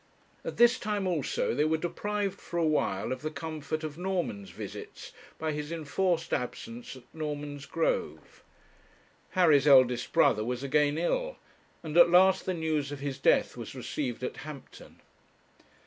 At this time, also, they were deprived for a while of the comfort of Norman's visits by his enforced absence at Normansgrove. Harry's eldest brother was again ill, and at last the news of his death was received at Hampton.